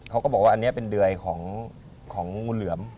เขาก็บอกว่าอันนี้เป็นเดยของงูเหลือม